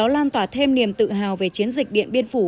lan tỏa thêm niềm tự hào về chiến dịch điện biên phủ